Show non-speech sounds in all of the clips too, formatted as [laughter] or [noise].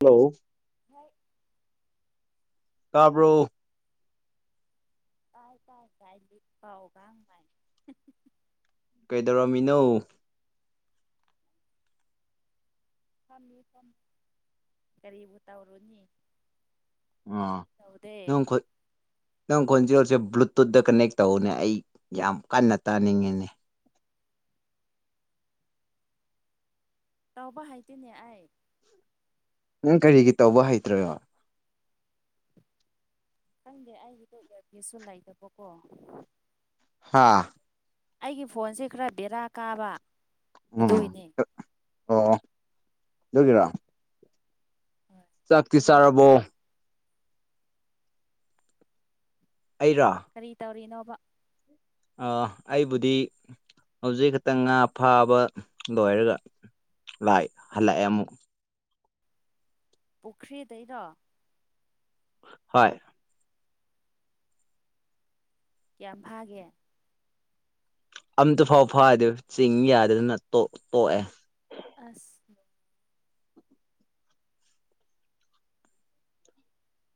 Hello ꯍꯣꯏ ꯇꯥꯕꯔꫭ ꯇꯥꯥꯏ ꯇꯥꯏ ꯇꯥꯏ ꯂꯤꯄꯥꯎꯒꯥꯡ ꯃꯥꯏ ꯀꯩꯗꯧꯔꯝꯃꯤꯅꯣ ꯐꯝꯃꯤ ꯐꯝꯃꯤ ꯀꯔꯤꯕꯨ ꯇꯧꯔꯨꯅꯤ ꯑꯥ ꯇꯧꯗꯦ ꯅꯪꯈꯨꯠ ꯅꯪ ꯈꯣꯟꯖꯦꯜꯁꯦ ꯕ꯭ꯂꯨꯇꯨꯠꯇ ꯀꯅꯦꯛ ꯇꯧꯅꯦ ꯑꯩ ꯌꯥꯝ ꯀꯟꯅ ꯇꯥꯅꯤꯡꯉꯅꯦ ꯇꯧꯕ ꯍꯩꯇꯦꯅꯦ ꯑꯩ ꯅꯪ ꯀꯔꯤꯒꯤ ꯇꯧꯕ ꯍꯩꯇ꯭ꯔꯕ ꯈꯪꯗꯦ ꯑꯩꯒꯤꯗꯣ ꯏꯌꯥꯔꯐꯤꯁꯁꯨ ꯂꯩꯇꯕꯀꯣ ꯍꯥꯥ ꯑꯩꯒꯤ ꯐꯣꯟꯁꯦ ꯈꯔ ꯕꯦꯔꯥ ꯀꯥꯕ ꯎꯝ ꯑꯗꯨꯒꯤꯅ‌ꯦ ꯑꯣ ꯑꯗꯨꯒꯤꯔꯣ ꯆꯥꯛꯇꯤ ꯆꯥꯔꯕꯣ꯫ ꯀꯩꯗꯧꯔꯤꯅꯣ ꯑꯩꯔꯣ꯫ ꯀꯔꯤ ꯇꯧꯔꯤꯅꯣꯕ꯫ ꯑꯥ ꯑꯩꯕꯨꯗꯤ ꯍꯧꯖꯤꯛ ꯈꯛꯇꯪ ꯉꯥ ꯐꯥꯕ ꯂꯣꯏꯔꯒ꯫ ꯂꯥꯛꯏ ꯍꯜꯂꯛꯑꯦ ꯑꯃꯨꯛ꯫ ꯄꯨꯈ꯭ꯔꯤꯗꯩꯔꯣ꯫ ꯍꯣꯏ꯫ ꯀꯌꯥꯝ ꯐꯥꯒꯦ꯫ ꯑꯝꯇ ꯐꯥꯎ ꯐꯥꯗꯦ ꯆꯤꯡ ꯌꯥꯗꯗꯅ ꯇꯣꯛ ꯇꯣꯛꯑꯦ꯫ ꯑꯁ꯫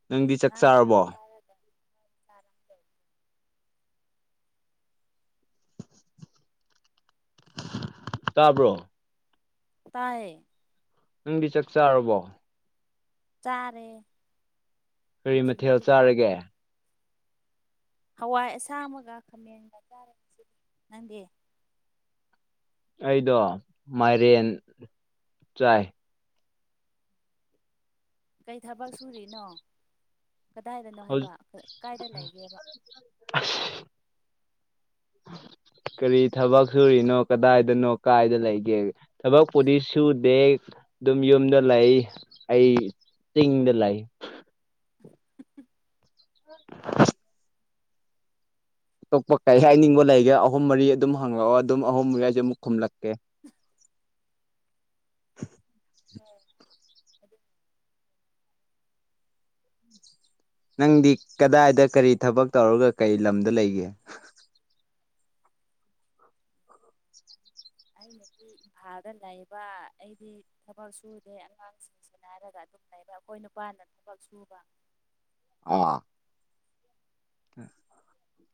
ꯅꯪꯗꯤ ꯆꯥꯛ ꯆꯥꯔꯕꯣ꯫ ꯆꯥꯅꯤꯡꯗꯦ꯫ ꯇꯥꯕ꯭ꯔꯣ꯫ ꯇꯥꯏꯌꯦ꯫ ꯅꯪꯗꯤ ꯆꯥꯛ ꯆꯥꯔꯕꯣ꯫ ꯆꯥꯔꯦ ꯀꯔꯤ ꯃꯊꯦꯜ ꯅꯨꯡꯊꯤꯟꯒꯤꯗꯤ ꯆꯥ__ ꯆꯥꯔꯒꯦ ꯍꯋꯥꯏ ꯑꯁꯥꯡꯕꯒ ꯈꯥꯃꯦꯟꯒ ꯆꯥꯔꯦ ꯉꯥꯁꯤꯗꯤ ꯅꯪꯗꯤ꯫ ꯑꯩꯗꯣ ꯃꯥꯏꯔꯦꯟ ꯆꯥꯏ꯫ ꯀꯩ ꯊꯕꯛ ꯁꯨꯔꯤꯅꯣ ꯀꯗꯥꯏꯗꯅꯣ ꯍꯥꯏꯕ ꯍꯧꯖꯤꯛ ꯀꯥꯏꯗ ꯂꯩꯒꯦꯕ꯫ ꯀꯔꯤ ꯊꯕꯛ ꯁꯨꯔꯤꯅꯣ ꯀꯗꯥꯏꯗꯅꯣ ꯀꯥꯏꯗ ꯂꯩꯒꯦ꯫ ꯊꯕꯛꯄꯨꯗꯤ ꯁꯨꯗꯦ꯫ ꯑꯗꯨꯝ ꯌꯨꯝꯗ ꯂꯩ ꯑꯩ ꯆꯤꯡꯗ ꯂꯩ꯫ [unintelligible] [unintelligible] ꯑꯇꯣꯞꯄ ꯀꯔꯤ ꯍꯥꯏꯅꯤꯡꯕ ꯂꯩꯒꯦ ꯑꯍꯨꯝ ꯃꯔꯤ ꯑꯗꯨꯝ ꯍꯪꯪꯂꯛꯑꯣ ꯑꯗꯨꯝ ꯑꯍꯨꯝ ꯃꯔꯤ ꯍꯥꯏꯁꯨ ꯑꯃꯨꯛ ꯈꯨꯝꯂꯛꯀꯦ꯫ ꯑꯣ ꯑꯗꯨꯝ [unintelligible] ꯅꯪꯗꯤ ꯀꯗꯥꯏꯗ ꯀꯔꯤ ꯊꯕꯛ ꯇꯧꯔꯒ ꯀꯔꯤ ꯂꯝꯗ ꯂꯩꯒꯦ꯫ ꯑꯩꯅ ꯁꯤ ꯏꯝꯐꯥꯜꯗ ꯂꯩꯕ ꯑꯩꯗꯤ ꯊꯕꯛ ꯁꯨꯗꯦ ꯑꯉꯥꯡꯁꯤꯡꯁꯦ__ ꯁꯦꯟꯅꯔꯒ ꯑꯗꯨꯝ ꯂꯩꯕ ꯑꯩꯈꯣꯏ ꯅꯨꯄꯥꯅ ꯊꯕꯛ ꯁꯨꯕ꯫ ꯑꯣ꯫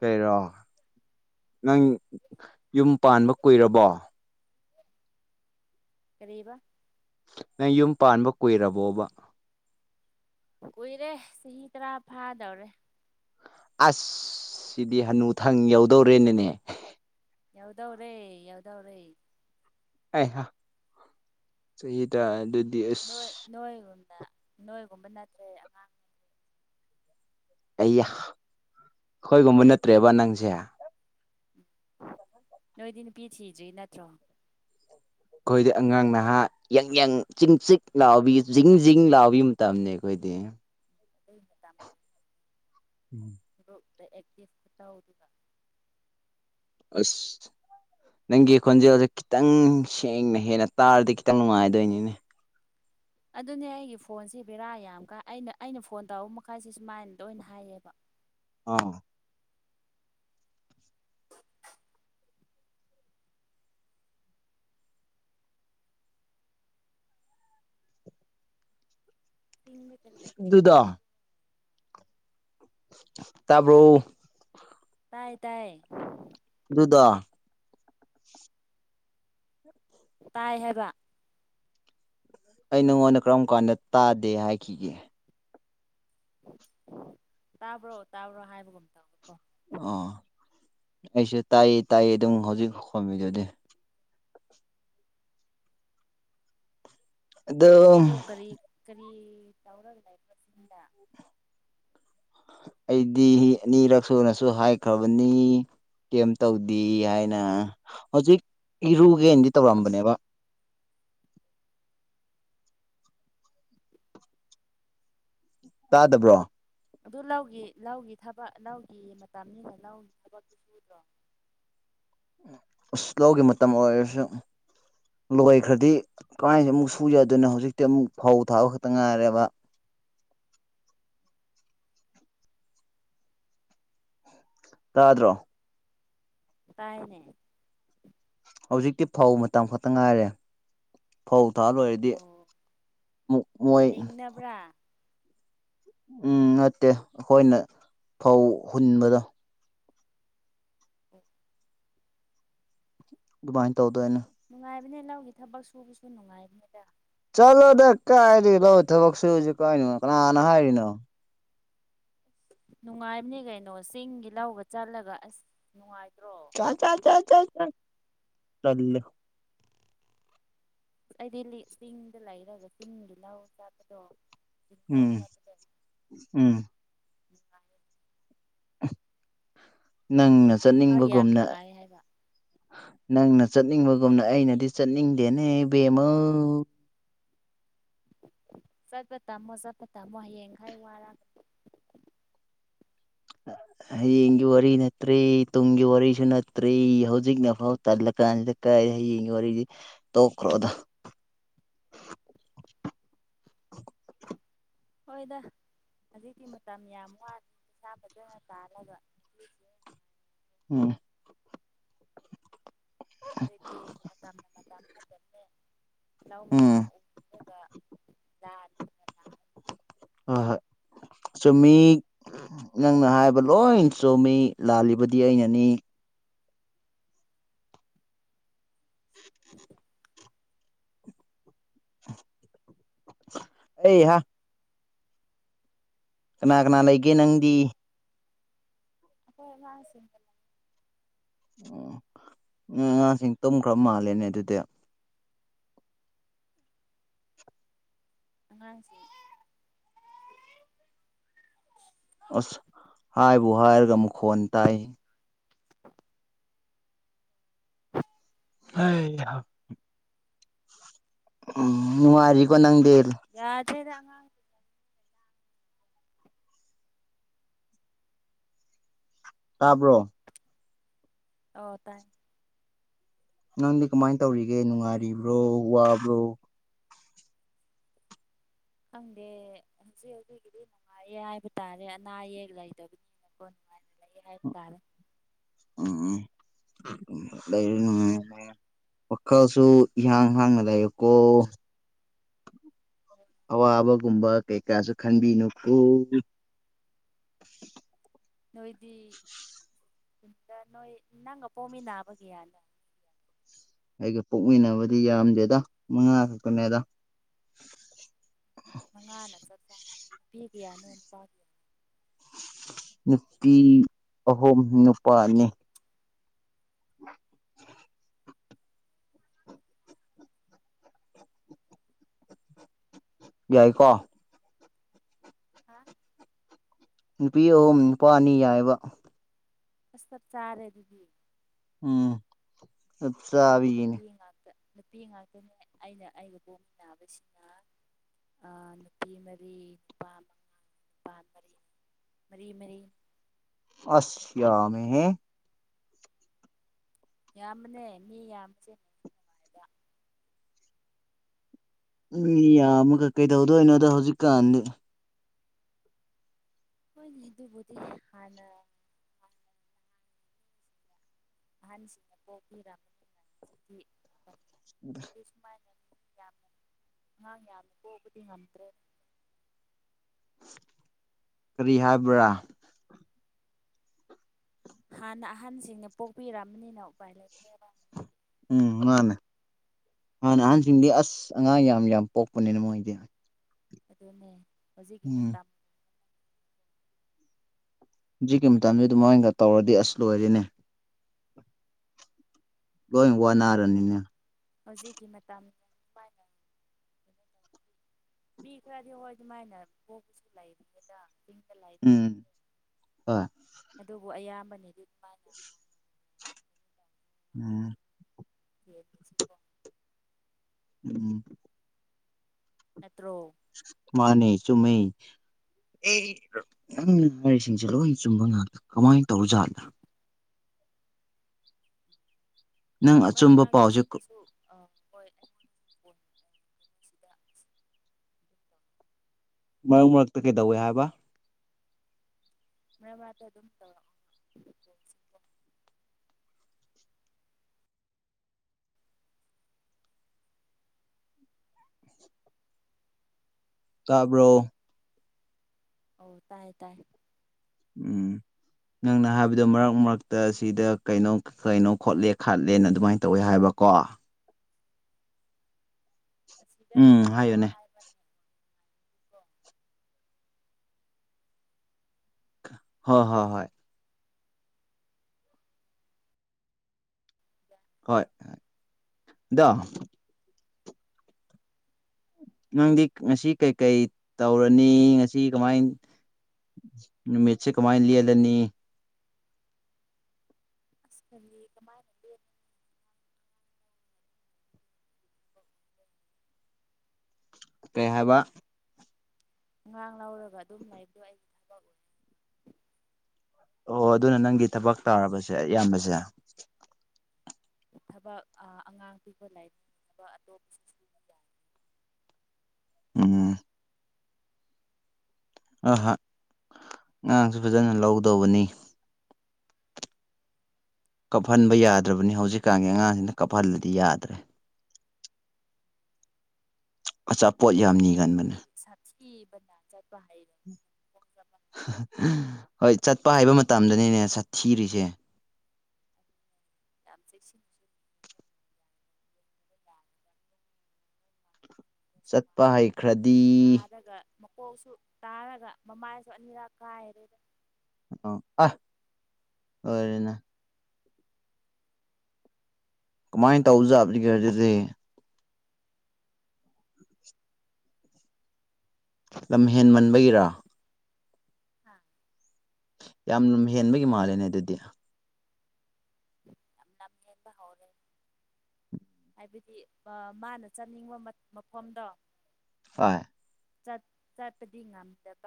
ꯑꯩꯔꯣ꯫ ꯅꯪ ꯌꯨꯝ ꯄꯥꯟꯕ ꯀꯨꯏꯔꯕꯣ꯫ ꯀꯔꯤꯕ꯫ ꯅꯪ ꯌꯨꯝ ꯄꯥꯟꯕ ꯀꯨꯏꯔꯕꯣꯕꯥ꯫ ꯀꯨꯏꯔꯦ ꯆꯥꯍꯤ ꯇꯔꯥ ꯐꯥꯗꯧꯔꯦ꯫ ꯑꯁ ꯁꯤꯗꯤ ꯍꯅꯨꯊꯪ ꯌꯎꯗꯧꯔꯦꯅꯦꯅꯦ꯫ ꯌꯧꯗꯧꯔꯦ ꯌꯧꯗꯧꯔꯦ꯫ ꯍꯩ ꯍꯥ ꯆꯍꯤ ꯇꯔ ꯑꯗꯨ___ ꯅꯣꯏ ꯅꯣꯏꯒꯨꯝꯅ ꯅꯣꯏꯒꯨꯝꯕ ꯅꯠꯇ꯭ꯔꯦ ꯑꯉꯥꯡ__ ꯑꯩꯌꯥ ꯑꯈꯣꯏꯒꯨꯝꯕ ꯅꯠꯇ꯭ꯔꯦꯕ ꯅꯪꯁꯦ ꯅꯣꯏꯗꯤ ꯅꯨꯄꯤ ꯊꯤꯗ꯭ꯔꯤ ꯅꯠꯇ꯭ꯔꯣ ꯑꯈꯣꯏꯗꯤ ꯑꯉꯥꯡ ꯅꯍꯥ ꯌꯪ ꯌꯪ ꯆꯤꯡ ꯆꯤꯛ ꯂꯥꯎꯕꯤ ꯖꯤꯡ ꯖꯤꯡ ꯂꯥꯎꯕꯤ ꯃꯇꯝꯅꯦ ꯑꯈꯣꯏꯗꯤ ꯍꯩ ꯃꯇꯥꯝ ꯎꯝ ꯐ꯭ꯔꯨꯞꯇ ꯑꯦꯛꯇꯤꯞ ꯈꯨꯇꯧꯗꯨꯒ ꯑꯁ ꯅꯪꯒꯤ ꯈꯣꯟꯖꯦꯜꯁꯦ ꯈꯤꯇꯪ ꯁꯦꯡꯅ ꯍꯦꯟꯅ ꯇꯥꯔꯗꯤ ꯈꯤꯇꯪ ꯅꯨꯡꯉꯥꯏꯗꯣꯏꯅꯤꯅꯦ ꯑꯗꯨꯅꯦ ꯑꯩꯒꯤ ꯐꯣꯟꯁꯦ ꯕꯦꯔꯥ ꯌꯥꯝ ꯀꯥꯏ ꯑꯩꯅ ꯑꯩꯅ ꯐꯣꯟ ꯇꯧꯕ ꯃꯈꯩꯁꯦ ꯁꯨꯨꯃꯥꯏꯅ ꯗꯣꯏꯅ ꯍꯥꯏꯌꯦꯕ ꯑꯣ ꯇꯤꯟꯒ ꯇꯔꯤ ꯑꯗꯨꯗꯣ ꯇꯥꯕ꯭ꯔꯣ ꯇꯥꯏꯌꯦ ꯇꯥꯏ ꯑꯗꯨꯗꯣ ꯇꯥꯏ ꯍꯥꯏꯕ ꯑꯩ ꯅꯪꯉꯣꯟꯗ ꯀꯔꯝ ꯀꯥꯟꯗ ꯇꯥꯗꯦ ꯍꯥꯏꯈꯤꯒꯦ ꯇꯥꯕ꯭ꯔꯣ ꯇꯥꯕ꯭ꯔꯣ ꯍꯥꯏꯕꯒꯨꯝ ꯇꯧ ꯑ ꯑꯩꯁꯨ ꯇꯥꯏꯌꯦ ꯇꯥꯏꯌꯦ ꯑꯗꯨꯝ ꯍꯧꯖꯤꯛ ꯈꯨꯝꯃꯤꯗꯨꯗꯤ ꯑꯗꯣ ꯀꯔꯤ ꯀꯔꯤ ꯇꯧꯔꯒ ꯂꯩ ꯃꯆꯤꯡꯗ ꯑꯩꯗꯤ ꯑꯅꯤꯔꯛ ꯁꯨꯅꯁꯨ ꯍꯥꯏꯈ꯭ꯔꯕꯅꯤ ꯀꯩꯝ ꯇꯧꯗꯦ ꯍꯥꯏꯅ ꯍꯧꯖꯤꯛ ꯏꯔꯨꯒꯦꯅꯗꯤ ꯇꯧꯔꯝꯕꯅꯦꯕ [inaudible] ꯇꯥꯗꯕ꯭ꯔꯣ ꯑꯗꯨ ꯂꯧꯒꯤ ꯂꯧꯒꯤ ꯊꯕꯛ ꯂꯧꯒꯤ ꯃꯇꯝꯅꯤꯅ ꯂꯧꯒꯤ ꯊꯕꯛꯇꯤ ꯁꯨꯗ꯭ꯔꯣ ꯑꯁ ꯂꯧꯒꯤ ꯃꯇꯝ ꯑꯣꯏꯔꯁꯨ ꯂꯣꯏꯈ꯭ꯔꯗꯤ ꯀꯃꯥꯏꯅ ꯑꯃꯨꯛ ꯁꯨ ꯌꯥꯗꯣꯏꯅꯣ ꯍꯧꯖꯤꯛꯇꯤ ꯑꯃꯨꯛ ꯐꯧ ꯊꯥꯕ ꯈꯛꯇ ꯉꯥꯏꯔꯦꯕ ꯇꯥꯗ꯭ꯔꯣ ꯇꯥꯏꯅꯦ ꯍꯧꯖꯤꯛꯇꯤ ꯐꯧ ꯃꯇꯝ ꯈꯛꯇ ꯉꯥꯏꯔꯦ ꯐꯧ ꯊꯥꯕ ꯂꯣꯏꯔꯗꯤ ꯑꯣ ꯃꯨꯛ ꯃꯣꯏ ꯕ꯭ꯔꯥ ꯎꯝ ꯅꯠꯇꯦ ꯑꯈꯣꯏꯅ ꯐꯧ ꯍꯨꯟꯕꯗꯣ ꯑꯣ ꯑꯗꯨꯃꯥꯏꯅ ꯇꯧꯗꯣꯏꯅ ꯅꯨꯡꯉꯥꯏꯕꯅꯦ ꯂꯧꯒꯤ ꯊꯕꯛ ꯁꯨꯕꯁꯨ ꯅꯨꯡꯉꯥꯏꯕꯅꯦꯗ ꯆꯂꯣꯗ ꯀꯥꯏꯗꯤ ꯂꯧ ꯊꯕꯛ ꯁꯨꯖꯤ ꯀꯥꯏꯅꯣ ꯀꯅꯥꯅ ꯍꯥꯏꯔꯤꯅꯣ ꯅꯨꯡꯉꯥꯏꯕꯅꯤ ꯀꯩꯅꯣ ꯆꯤꯡꯒꯤ ꯂꯧꯒ ꯆꯠꯂꯒ ꯑꯁ ꯅꯨꯡꯉꯥꯏꯇ꯭ꯔꯣ ꯑꯆ ꯆ ꯆ ꯆ ꯇꯠꯂꯦ ꯑꯁ ꯑꯩꯗꯤ ꯂꯤ ꯆꯤꯡꯗ ꯂꯩꯔꯒ ꯆꯤꯡ ꯂꯥꯎ ꯆꯥꯄꯗꯣ ꯆꯤꯡꯂꯧ ꯎꯝ ꯆꯥꯄꯗꯣ ꯎꯝ ꯎꯝ ꯑꯥꯏ ꯅꯪꯅ ꯋꯥꯈꯜ ꯌꯥꯝ ꯆꯠꯅꯤꯡꯕꯒꯨꯝꯅ ꯅꯨꯡꯉꯥꯏ ꯍꯥꯏꯕ ꯅꯪꯅ ꯆꯠꯅꯤꯡꯕꯒꯨꯝꯅ ꯑꯩꯅꯗꯤ ꯆꯠꯅꯤꯡꯗꯦꯅꯦ ꯏꯕꯦꯝꯃꯧ ꯆꯠꯄ ꯇꯝꯃꯣ ꯆꯠꯄ ꯇꯝꯃꯣ ꯍꯌꯦꯡꯈꯥꯏ ꯋꯥꯔꯥ꯫ [inaudible] ꯍꯌꯦꯡꯒꯤ ꯋꯥꯔꯤ ꯅꯠꯇ꯭ꯔꯦ ꯇꯨꯡꯒꯤ ꯋꯥꯔꯤꯁꯨ ꯅꯠꯇ꯭ꯔꯦ ꯍꯧꯖꯤꯛꯅꯐꯥꯎ ꯇꯜꯂ ꯀꯥꯟꯁꯤꯗ ꯀꯥꯏꯗꯒꯤ ꯍꯌꯦꯡꯒꯤ ꯋꯥꯔꯤꯗꯤ ꯇꯣꯛꯈ꯭ꯔꯣꯗ꯫ ꯍꯣꯏꯗ ꯍꯧꯖꯤꯛꯇꯤ ꯃꯇꯝ ꯌꯥꯝ ꯋꯥꯠꯂꯤ ꯄꯩꯁꯥ ꯐꯖꯅ ꯇꯥꯜꯂꯒ꯫ ꯅꯨꯄꯤꯁꯤꯡ ꯎꯝ꯫ ꯍꯧꯖꯤꯛꯇꯤ ꯃꯇꯝ ꯃꯇꯝꯒ ꯐꯥꯠꯇꯕ ꯂꯧ ꯎꯝ ꯃꯌꯥꯝ ꯎꯕꯤꯔꯒ ꯄꯂꯥꯟ ꯍꯣꯏ ꯍꯣꯏ ꯆꯨꯝꯃꯤ꯫ ꯅꯪꯅ ꯍꯥꯏꯕ ꯂꯣꯏ ꯆꯨꯝꯃꯤ ꯂꯥꯜꯂꯤꯕꯗꯤ ꯑꯩꯅꯅꯤ꯫ [unintelligible] ꯑꯩꯍꯥ꯫ ꯀꯅꯥ ꯀꯅꯥ ꯂꯩꯒꯦ ꯅꯪꯗꯤ? ꯑꯈꯣꯏ ꯑꯉꯥꯡꯁꯤꯡꯒ꯫ ꯑꯣ ꯎꯝ ꯑꯉꯥꯡꯁꯤꯡ ꯇꯨꯝꯈ꯭ꯔ ꯃꯥꯜꯂꯦꯅꯦ ꯑꯗꯨꯗꯤ꯫ ꯑꯉꯥꯡꯁꯤꯡ ꯑꯁ ꯍꯥꯏꯕꯨ ꯍꯥꯏꯔꯒ ꯃꯈꯣꯟ ꯇꯥꯏꯌꯦ꯫ [inaudible] [inaudible] ꯍꯩꯍꯥ꯫ ꯎꯝ ꯅꯨꯡꯉꯥꯢꯔꯤꯀꯣ ꯅꯪꯗꯤ? ꯌꯥꯗ꯭ꯔꯦꯗ ꯑꯉꯥꯡ ꯇꯥꯕ꯭ꯔꯣ꯫ ꯑꯣ ꯇꯥꯏ꯫ ꯅꯪꯗꯤ ꯀꯃꯥꯏꯟ ꯇꯧꯔꯤꯒꯦ ꯅꯨꯡꯉꯥꯏꯔꯤꯕ꯭ꯔꯣ ꯋꯥꯕ꯭ꯔꯣ꯫ ꯈꯪꯗꯦ ꯍꯧꯖꯤꯛ ꯍꯧꯖꯤꯛꯀꯤꯗꯤ ꯅꯨꯡꯉꯥꯏꯌꯦ ꯍꯥꯏꯕ ꯇꯥꯔꯦ ꯑꯅꯥ ꯑꯌꯦꯛ ꯂꯩꯇꯗꯨ꯫ ꯃꯀꯣꯟ ꯅꯨꯡꯉꯥꯢꯅ ꯂꯩꯑꯦ ꯍꯥꯏꯕ ꯇꯥꯔꯦ꯫ ꯎꯝ꯫ ꯎꯝ ꯂꯩꯌꯨ ꯅꯨꯡꯉꯥꯢꯅ ꯋꯥꯈꯜꯁꯨ ꯏꯍꯥꯡ ꯍꯥꯡꯅ ꯂꯩꯌꯨꯀꯣ꯫ [unintelligible] ꯑꯋꯥꯕꯒꯨꯝꯕ ꯀꯩ ꯀꯥꯁꯨ ꯈꯟꯕꯤꯅꯨꯀꯣ꯫ ꯅꯣꯏꯗꯤ ꯅꯣꯏ [inaudible] ꯅꯪꯒ ꯄꯣꯝꯃꯤꯟꯅꯕꯒꯤꯔꯥꯅꯦ꯫ ꯑꯩꯒ ꯄꯣꯛꯃꯤꯟꯅꯕꯗꯤ ꯌꯥꯝꯗꯦꯗ ꯃꯉꯥ ꯈꯛꯇꯅꯦꯗ꯫ ꯃꯉꯥꯅ ꯆꯞ ꯆꯥꯢ ꯅꯨꯄꯤ ꯀꯌꯥꯅꯣ ꯅꯨꯄꯥ ꯅꯨꯄꯤ ꯑꯍꯨꯝ ꯅꯨꯄꯥ ꯑꯅꯤ꯫ ꯌꯥꯏꯀꯣ꯫ ꯍꯥ꯫ ꯅꯨꯄꯤ ꯑꯍꯨꯝ ꯅꯨꯄꯥ ꯑꯅꯤ ꯌꯥꯏꯕ꯫ ꯑꯁ ꯆꯞ ꯆꯥꯔꯦ ꯑꯗꯨꯗꯤ꯫ ꯎꯝ ꯆꯞꯆꯥꯕꯤꯒꯤꯅꯤ꯫ ꯀꯤꯡꯉꯥꯛꯇ꯫ ꯅꯨꯄꯤ ꯉꯥꯛꯇꯅꯦ ꯑꯩꯅ ꯑꯩꯒ ꯄꯣꯛꯃꯤꯟꯅꯕꯁꯤꯅ ꯑꯥ ꯅꯨꯄꯤ ꯃꯔꯤ ꯅꯨꯄꯥ ꯑꯃꯒ ꯅꯨꯄꯥ ꯃꯔꯤ ꯃꯔꯤ ꯃꯔꯤ꯫ ꯑꯁ ꯌꯥꯝꯃꯦꯍꯦ꯫ ꯌꯥꯝꯕꯅꯦ ꯃꯤ ꯌꯥꯝꯁꯦ ꯃꯤ ꯌꯥꯝꯃꯒ ꯀꯩꯗꯧꯗꯣꯏꯅꯣꯗ ꯍꯧꯖꯤꯛꯀꯥꯟꯗꯤ ꯍꯣꯏꯅꯦ ꯑꯗꯨꯕꯨꯗꯤ ꯍꯥꯟꯅ ꯑꯍꯟꯁꯤꯡꯅ ꯄꯣꯛꯄꯤꯔꯛ [unintelligible] ꯃꯣꯏꯗꯤ ꯁꯨꯃꯥꯏꯅ ꯌꯥꯝ ꯑꯉꯥꯡ ꯌꯥꯝ ꯄꯣꯛꯄꯗꯤ ꯉꯝꯗ꯭ꯔꯦ ꯀꯔꯤ ꯍꯥꯏꯕ꯭ꯔꯥ ꯍꯥꯟꯅ ꯑꯍꯟꯁꯤꯡꯅ ꯄꯣꯛꯄꯤꯔꯝꯕꯅꯤꯅ ꯎꯄꯥꯏ ꯂꯩ ꯎꯝ ꯃꯟꯅꯦ ꯍꯥꯟꯅ ꯑꯍꯟꯁꯤꯡꯗꯤ ꯑꯁ ꯑꯉꯥꯡ ꯌꯥꯝ ꯌꯥꯝ ꯄꯣꯛꯄꯅꯦꯅ ꯃꯣꯏꯗꯤ ꯑꯗꯨꯅꯦ ꯍꯧꯖꯤꯛꯀꯤ ꯎꯝ ꯃꯇꯝ ꯍꯧꯖꯤꯛꯀꯤ ꯃꯇꯝꯗ ꯑꯗꯨ ꯃꯥꯢꯟꯒ ꯇꯧꯔꯗꯤ ꯑꯁ ꯂꯣꯏꯔꯦꯅꯦ ꯂꯣꯏ ꯋꯥꯅꯥꯔꯅꯤꯅꯦ ꯍꯧꯖꯤꯛꯀꯤ ꯃꯇꯝ ꯎꯄꯥꯢ ꯃꯤ ꯈꯔꯗꯤ ꯍꯣꯏ ꯑꯗꯨꯃꯥꯏꯅ ꯄꯣꯛꯄꯁꯨ ꯂꯩꯕꯅꯤꯗ ꯆꯤꯡꯗ ꯂꯩ ꯎꯝ ꯍꯣꯏ ꯑꯗꯨꯕꯨ ꯑꯌꯥꯝꯕꯅꯗꯤ ꯗꯨꯃꯥꯏꯅ ꯎꯝ ꯑꯦꯞ ꯁꯦꯀꯣ ꯎꯝ ꯅꯠꯇ꯭ꯔꯣ ꯃꯥꯟꯅꯦ ꯆꯨꯝꯃꯦ ꯑꯦ ꯅꯪꯅ ꯉꯥꯔꯤꯁꯤꯡꯁꯦ ꯂꯣꯏꯅ ꯆꯨꯝꯕ ꯉꯥꯛꯇ ꯀꯃꯥꯏ ꯇꯧꯔꯤ ꯖꯥꯠꯅꯣ ꯅꯪ ꯃꯔꯛ ꯑꯆꯨꯝꯕ ꯃꯔꯛꯇ ꯄꯥꯎꯁꯦ ꯁꯤꯗꯁꯨ ꯑꯥ ꯍꯣꯏ ꯑꯩꯉꯣꯟꯗꯒꯤ ꯄꯣꯠ ꯁꯤꯗ ꯁꯤ ꯃꯔꯛ ꯃꯔꯛꯇ ꯀꯩꯗꯧꯋꯦ ꯍꯥꯏꯕ ꯃꯔꯛ ꯃꯔꯛꯇꯥ ꯑꯗꯨꯝ ꯇꯧꯔꯛꯑꯣ ꯀꯣꯜꯁꯦꯀꯣ ꯇꯥꯕ꯭ꯔꯣ ꯑꯎ ꯇꯥꯏꯌꯦ ꯇꯥꯏꯌꯦ ꯎꯝ ꯅꯪꯅ ꯍꯥꯏꯕꯗꯣ ꯃꯔꯛ ꯃꯔꯛꯇ ꯑꯁꯤꯗ ꯀꯩꯅꯣ ꯀꯩꯅꯣ ꯈꯣꯠꯂꯦ ꯈꯥꯠꯂꯦꯅ ꯑꯗꯨꯃꯥꯏꯅ ꯇꯧꯋꯦ ꯍꯥꯏꯕꯀꯣ ꯑꯁꯤꯗ ꯑꯗꯨꯝ ꯎꯝ ꯇꯧꯔꯛꯑꯣ ꯍꯥꯏꯌꯨꯅꯦ ꯍꯥꯏꯕ ꯍꯣ ꯍꯣ ꯍꯣꯏ ꯌꯥ ꯍꯣꯏ ꯑꯗꯣ ꯅꯪꯗꯤ ꯉꯁꯤ ꯀꯩꯀꯩ ꯇꯧꯔꯅꯤ ꯉꯁꯤ ꯀꯃꯥꯏ ꯅꯨꯃꯤꯠꯆꯦ ꯀꯃꯥꯏ ꯂꯦꯜꯂꯅꯤ ꯑꯁ ꯀꯔꯤ ꯀꯃꯥꯏꯅ ꯂꯦꯜ ꯎꯝ ꯀꯩ ꯍꯥꯏꯕ ꯑꯉꯥꯡ ꯂꯧꯔꯒ ꯑꯗꯨꯝ ꯂꯩꯕꯗꯣ ꯑꯩꯗꯤ ꯊꯕꯛ ꯑꯣꯏ ꯑꯣ ꯑꯗꯨꯅ ꯅꯪꯒꯤ ꯊꯕꯛ ꯇꯥꯔꯕꯁꯦ ꯑꯌꯥꯝꯕꯁꯦ ꯊꯕꯛ ꯑꯉꯥꯡ ꯄꯤꯕ ꯂꯥꯏꯔꯤꯛ ꯕ ꯑꯇꯣꯞꯄꯁꯨ ꯁꯨꯕ ꯌꯥꯏ ꯎꯝ ꯑꯍ ꯑꯥꯉꯥꯡꯁꯨ ꯐꯖꯅ ꯂꯧꯗꯧꯕꯅꯤ ꯀꯞꯐꯟꯕ ꯌꯥꯗ꯭ꯔꯕꯅꯤ ꯍꯧꯖꯤꯛꯀꯥꯟꯒꯤ ꯑꯉꯥꯡꯁꯤꯡꯅ ꯀꯞꯐꯜꯂꯗꯤ ꯌꯥꯗ꯭ꯔꯦ ꯑꯆꯥꯄꯣꯠ ꯌꯥꯝ ꯅꯤꯒꯟꯕꯅꯦ ꯁꯥꯊꯤꯕ ꯅ ꯆꯠꯄ ꯍꯩꯏꯔꯦ ꯍꯣꯏ ꯆꯠꯄ ꯍꯥꯏꯕ ꯃꯇꯝꯗꯅꯤꯅꯦ ꯁꯥꯊꯤꯔꯤꯁꯦ ꯌꯥꯝ ꯆꯦꯁꯤꯟ [unintelligible] ꯆꯠꯄ ꯍꯩꯈ꯭ꯔꯗꯤ ꯇꯥꯔꯒ ꯃꯀꯣꯛꯁꯨ ꯇꯥꯔꯒ ꯃꯃꯥꯏꯁꯨ ꯑꯅꯤꯔꯛ ꯀꯥꯏꯔꯦꯗ ꯑ ꯑꯍ ꯑꯣꯏꯔꯦꯅ ꯀꯃꯥꯏꯅ ꯇꯧꯖꯥꯕꯒꯦ ꯑꯗꯨꯗꯤ ꯂꯝꯍꯦꯟ ꯃꯟꯕꯒꯤꯔꯥ ꯑꯥ ꯌꯥꯝ ꯂꯝꯍꯦꯟꯕꯒꯤ ꯃꯥꯜꯂꯦꯅꯦ ꯑꯗꯨꯗꯤ ꯌꯥꯝ ꯂꯝꯍꯦꯟꯕ ꯍꯧꯔꯦ ꯑꯗꯨꯗꯤ ꯃꯥꯅ ꯆꯠꯅꯤꯡꯕ ꯃꯐꯝꯗꯣ ꯍꯣꯏ ꯆꯠ ꯆꯠꯇꯗꯤ ꯉꯝꯗꯕ